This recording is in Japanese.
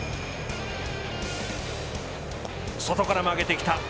外から曲げてきた。